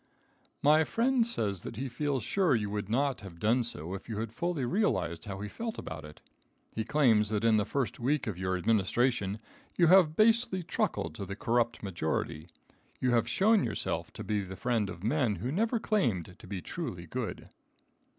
My friend says that he feels sure you would not have done so if you had fully realized how he felt about it. He claims that in the first week of your administration you have basely truckled to the corrupt majority. You have shown yourself to be the friend of men who never claimed to be truly good.